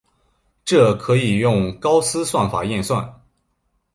这可以用高斯算法验证。